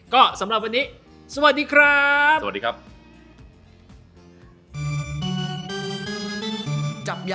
ก็สำหรับวันนี้สวัสดีครับ